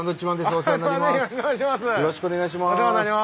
よろしくお願いします。